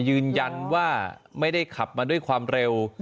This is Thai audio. ยืนยันว่าไม่ได้ขับมาด้วยความเร็ว